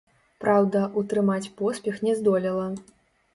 Праўда, утрымаць поспех не здолела.